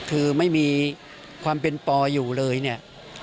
คือไม่มีความเป็นปออยู่เลยเนี่ย